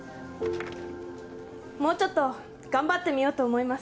もうちょっと頑張ってみようと思います。